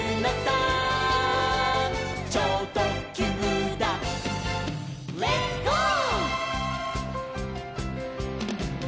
「ちょうとっきゅうだレッツ・ゴー！」